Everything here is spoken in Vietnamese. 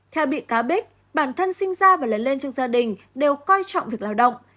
theo bị cá bích bản thân sinh ra và lớn lên trong gia đình đều coi trọng việc lao động